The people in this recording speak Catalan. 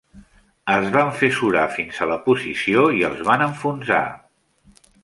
Es van fer surar fins a la posició i els van enfonsar.